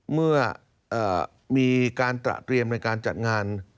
เมื่อมีการตระเตรียมในการจัดงาน